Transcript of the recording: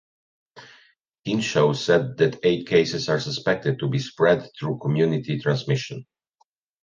Hinshaw said that eight cases are suspected to be spread through community transmission.